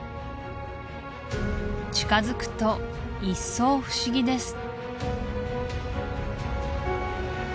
近づくと一層不思議です